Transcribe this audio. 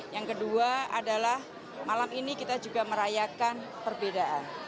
yang kedua adalah malam ini kita juga merayakan perbedaan